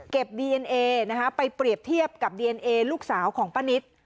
ดีเอ็นเอนะคะไปเปรียบเทียบกับดีเอนเอลูกสาวของป้านิต